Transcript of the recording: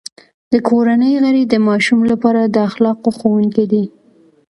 د کورنۍ غړي د ماشوم لپاره د اخلاقو ښوونکي دي.